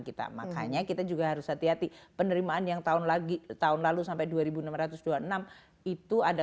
kita makanya kita juga harus hati hati penerimaan yang tahun lagi tahun lalu sampai dua ribu enam ratus dua puluh enam itu ada